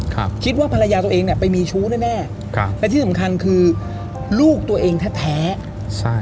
คิดว่าภรรยาตัวเองเนี้ยไปมีชู้แน่แน่ครับและที่สำคัญคือลูกตัวเองแท้แท้ใช่